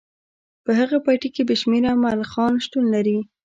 په هغه پټي کې بې شمیره ملخان شتون لري